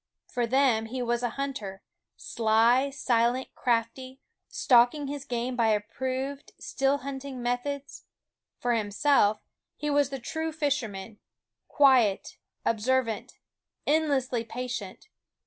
For them he was a hunter, sly, silent, crafty, stalking his game by approved still hunting methods ; for himself he was the true fisherman, quiet, observant, endlessly patient.